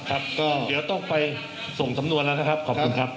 ครับก็เดี๋ยวต้องไปส่งสำนวนแล้วนะครับขอบคุณครับ